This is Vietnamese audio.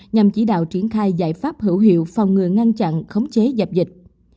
nhằm chỉ đạo triển khai giải pháp hữu hiệu phòng ngừa ngăn chặn khống chế dập dịch